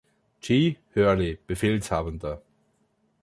G. Hurley, Befehlshabender.